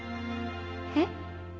えっ？